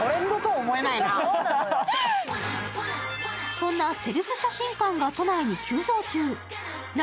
そんなセルフ写真館が都内に急増中。